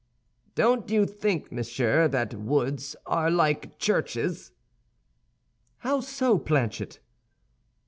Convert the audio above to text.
"Don't you think, monsieur, that woods are like churches?" "How so, Planchet?"